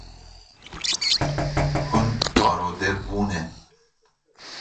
Hûn arode bûne.